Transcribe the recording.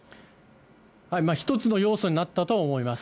一つの要素になったとは思います。